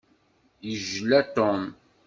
Yejla Tom.